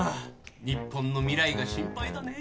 日本の未来が心配だね。